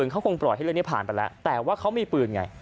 เขาคงปล่อยให้เรื่องนี้ผ่านไปแล้วแต่ว่าเขามีปืนไง